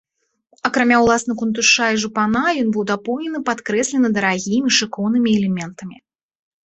Акрамя ўласна кунтуша і жупана ён быў дапоўнены падкрэслена дарагімі, шыкоўнымі элементамі.